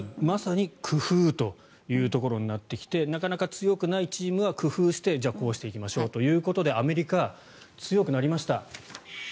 まさに工夫というところになってきてなかなか強くないチームは工夫してこうしていきましょうということでアメリカは強くなりました。